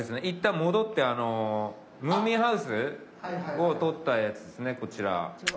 いったん戻ってあのムーミンハウスを撮ったやつですねこちら。